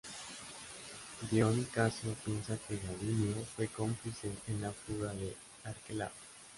Dion Casio piensa que Gabinio fue cómplice en la fuga de Arquelao.